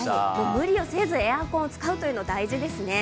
無理をせずエアコンを使うというのは大事ですね。